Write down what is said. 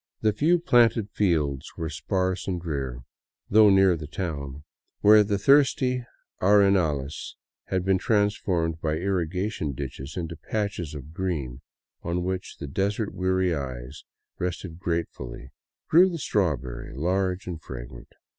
The few planted fields were sparse and drear, though near the town, where the thirsty arenales had been transformed by irrigation into patches of green on which the desert weary eyes rested gratefully, grew the strawberry, large and fragrant.